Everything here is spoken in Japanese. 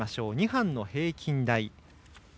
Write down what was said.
２班の平均台。